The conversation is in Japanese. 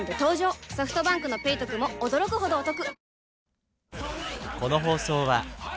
ソフトバンクの「ペイトク」も驚くほどおトク